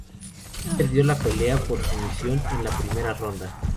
Liz perdió la pelea por sumisión en la primera ronda.